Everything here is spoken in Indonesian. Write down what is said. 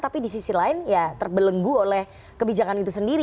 tapi di sisi lain ya terbelenggu oleh kebijakan itu sendiri